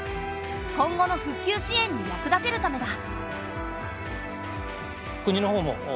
今後の復旧支援に役立てるためだ。